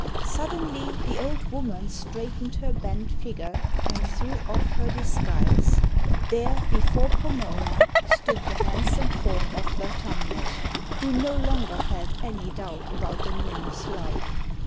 Suddenly the old woman straightened her bent figure and threw off her disguise. There before Pomona stood the handsome form of Vertumnus, who no longer felt any doubt about the nymph's love.